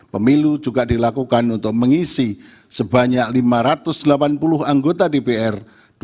pemilu juga dilakukan untuk mengisi sebanyak lima ratus delapan puluh anggota dpr